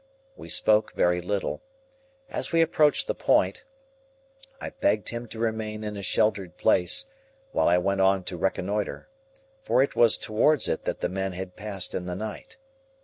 We spoke very little. As we approached the point, I begged him to remain in a sheltered place, while I went on to reconnoitre; for it was towards it that the men had passed in the night.